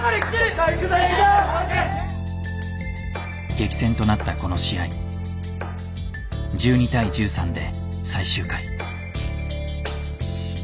激戦となったこの試合１２対１３で最終回。